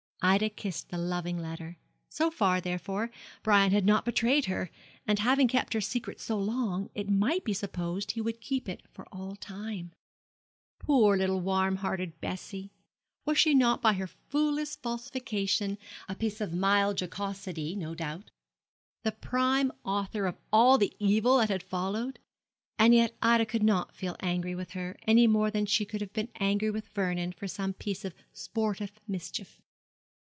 Ida kissed the loving letter. So far, therefore, Brian had not betrayed her; and, having kept her secret so long, it might be supposed he would keep it for all time. Poor little warm hearted Bessie! Was not she by her foolish falsification a piece of mild jocosity, no doubt the prime author of all the evil that had followed? And yet Ida could not feel angry with her, any more than she could have been angry with Vernon for some piece of sportive mischief.